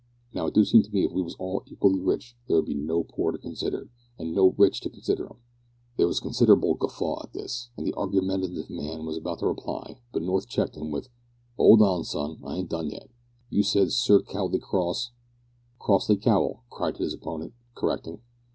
Now it do seem to me that if we was all equally rich, there would be no poor to consider, an' no rich to consider 'em!" There was a considerable guffaw at this, and the argumentative man was about to reply, but North checked him with "'Old on, sir, I ain't done yet. You said that Sir Cowley Cross " "Crossly Cowel," cried his opponent, correcting.